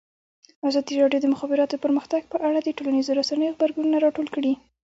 ازادي راډیو د د مخابراتو پرمختګ په اړه د ټولنیزو رسنیو غبرګونونه راټول کړي.